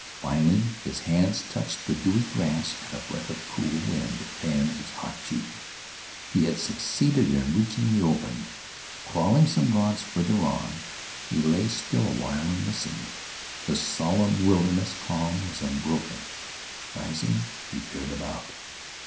Finally his hands touched the dewy grass, and a breath of cool wind fanned his hot cheek. He had succeeded in reaching the open. Crawling some rods farther on, he lay still a while and listened. The solemn wilderness calm was unbroken. Rising, he peered about.